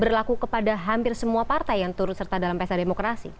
berlaku kepada hampir semua partai yang turut serta dalam pesta demokrasi